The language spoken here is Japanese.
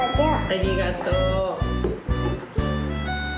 ありがとう。